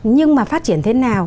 nhưng mà phát triển thế nào